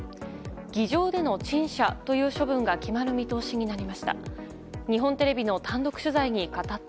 議場での陳謝という処分が決まる見通しになりました。